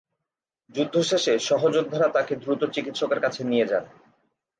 যুদ্ধ শেষে সহযোদ্ধারা তাকে দ্রুত চিকিৎসকের কাছে নিয়ে যান।